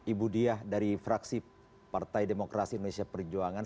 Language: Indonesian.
ibu diah dari fraksi partai demokrasi indonesia perjuangan